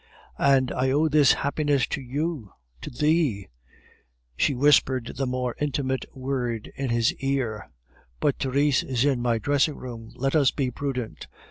"And I owe this happiness to you to thee" (she whispered the more intimate word in his ear); "but Therese is in my dressing room, let us be prudent.